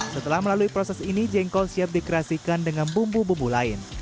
setelah melalui proses ini jengkol siap dikreasikan dengan bumbu bumbu lain